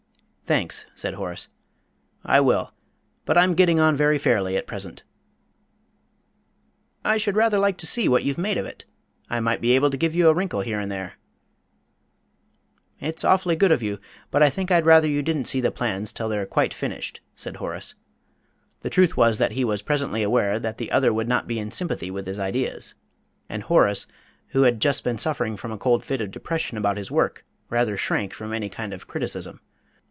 "Thanks," said Horace, "I will. But I'm getting on very fairly at present." "I should rather like to see what you've made of it. I might be able to give you a wrinkle here and there." "It's awfully good of you, but I think I'd rather you didn't see the plans till they're quite finished," said Horace. The truth was that he was perfectly aware that the other would not be in sympathy with his ideas; and Horace, who had just been suffering from a cold fit of depression about his work, rather shrank from any kind of criticism.